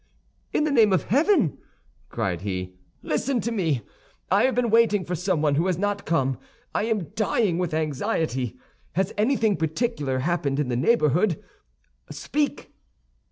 "In the name of heaven!" cried he, "listen to me; I have been waiting for someone who has not come. I am dying with anxiety. Has anything particular happened in the neighborhood? Speak!"